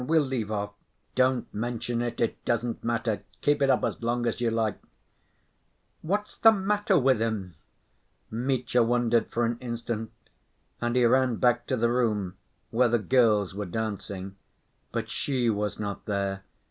We'll leave off." "Don't mention it; it doesn't matter. Keep it up as long as you like...." "What's the matter with him?" Mitya wondered for an instant, and he ran back to the room where the girls were dancing. But she was not there.